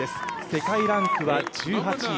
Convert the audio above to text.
世界ランクは１８位。